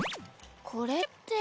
これって。